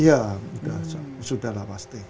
ya sudah lah pasti